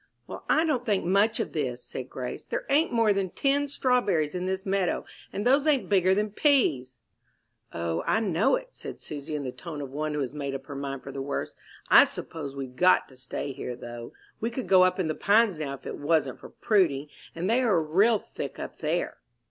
"Well, I don't think much of this," said Grace; "there ain't more than ten strawberries in this meadow, and those ain't bigger than peas." "O, I know it," said Susy, in the tone of one who has made up her mind for the worst. "I suppose we've got to stay here, though. We could go up in the Pines now if it wasn't for Prudy, and they are real thick up there."